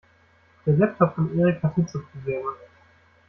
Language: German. Der Laptop von Erik hat Hitzeprobleme.